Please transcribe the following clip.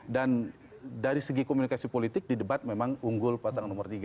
dan dari segi komunikasi politik di debat memang unggul pasangan nomor tiga